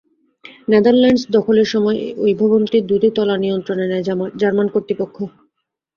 Netherlands দখলের সময় এই ভবনটির দুটি তলা নিয়ন্ত্রণে নেয় জার্মান কর্তৃপক্ষ।